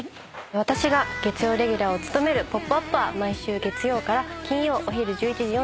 私が月曜レギュラーを務める『ホップＵＰ！』は毎週月曜から金曜お昼１１時４５分から放送中です。